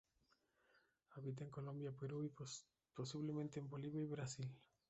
Habita en Colombia, Perú y, posiblemente en Bolivia y Brasil.